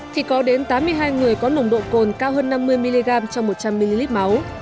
thì có đến tám mươi hai người có nồng độ cồn cao hơn năm mươi mg trong một trăm linh ml máu